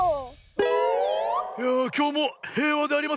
いやあきょうもへいわでありますなあ。